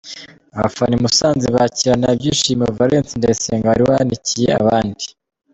Abafana i Musanze bakirana ibyishimo Valens Ndayisenga wari wanikiye abandi.